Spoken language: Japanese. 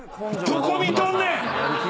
どこ見とんねん！